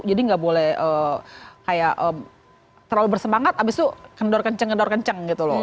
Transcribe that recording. jadi nggak boleh kayak terlalu bersemangat abis itu kendor kenceng kendor kenceng gitu loh